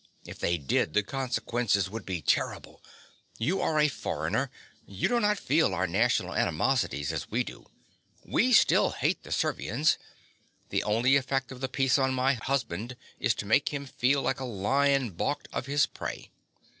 If they did, the consequences would be terrible. You are a foreigner: you do not feel our national animosities as we do. We still hate the Servians: the only effect of the peace on my husband is to make him feel like a lion baulked of his prey.